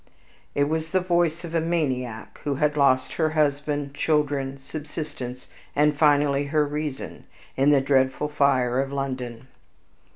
It was the voice of a maniac, who had lost her husband, children, subsistence, and finally her reason, in the dreadful fire of London.